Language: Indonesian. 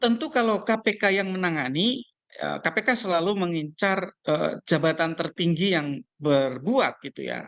tentu kalau kpk yang menangani kpk selalu mengincar jabatan tertinggi yang berbuat gitu ya